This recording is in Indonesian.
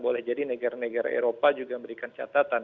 boleh jadi negara negara eropa juga memberikan catatan